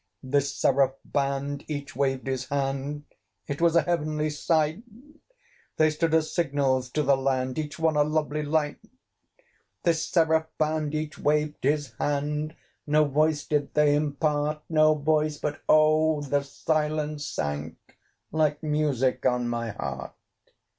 This seraph band, each waved his hand: It was a heavenly sight! They stood as signals to the land, Each one a lovely light: This seraph band, each waved his hand, No voice did they impart No voice; but oh! the silence sank Like music on my heart.